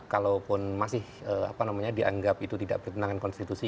kalaupun masih apa namanya dianggap itu tidak berkenangan konstitusi